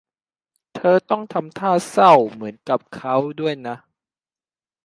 เธอต้องทำท่าเศร้าเหมือนกับเค้าด้วยนะ